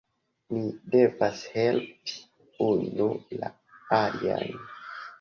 Ni devas helpi unu la alian